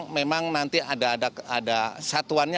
memang nanti ada satuannya